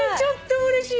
うれしい！